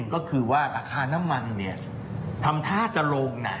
ก็คือว่าราคาน้ำมันเนี่ยทำท่าจะลงนะ